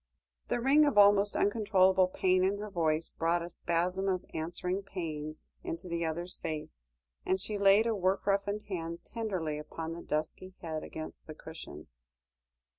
The ring of almost uncontrollable pain in her voice, brought a spasm of answering pain into the other's face, and she laid a work roughened hand tenderly upon the dusky head against the cushions.